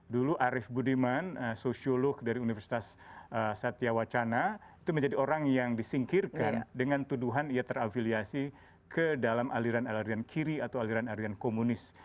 dulu arief budiman sosiolog dari universitas satya wacana itu menjadi orang yang disingkirkan dengan tuduhan ia terafiliasi ke dalam aliran aliran kiri atau aliran aliran komunis